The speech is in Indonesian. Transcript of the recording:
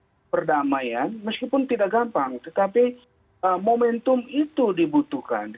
dan itu adalah perdamaian meskipun tidak gampang tetapi momentum itu dibutuhkan